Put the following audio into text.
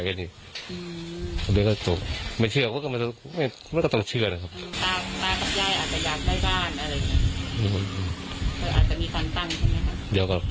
ก๋าเด็กก็ตกไม่เชื่อล่ะเห็นต้องเชื่อนั่งครับ